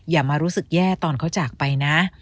อย่ามารู้สึกแย่ตอนเขาจากไปนะ